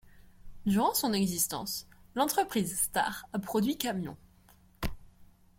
Durant son existence l'entreprise Star a produit camions.